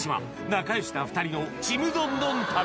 仲良しな２人のちむどんどん旅